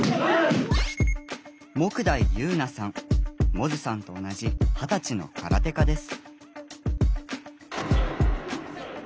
百舌さんと同じ二十歳の空手家です。